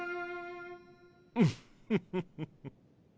ウフフフフ。